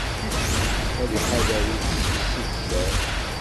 Ad iḥader iles-is si ccer.